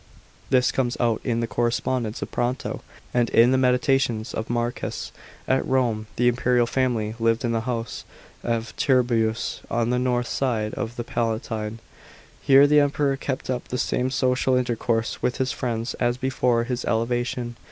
This comes out in the Corre spondence of Pronto and in the Meditations of Marcus. At Rome the imperial family lived in the house of Tiberius on the north side of the Palatine. Here the Emperor kept up the snme social intercourse with his friends as before his elevation.